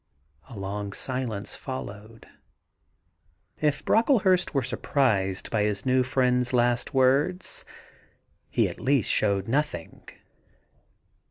A long silence followed. If Brocklehurst were surprised by his new friend's last words, he at least showed nothing.